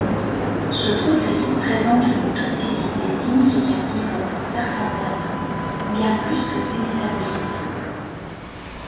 Ce produit présente une toxicité significative pour certains poissons, bien plus que ses métabolites.